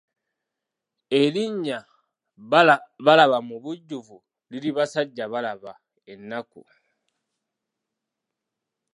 Erinnya Balaba mu bujjuvu liri Basajjabalaba ennaku.